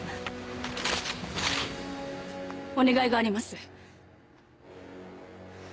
お願いがあります。